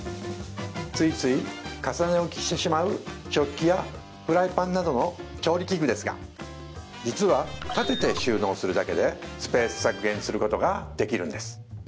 ついつい重ね置きしてしまう食器やフライパンなどの調理器具ですが実は立てて収納するだけでスペース削減することができるんです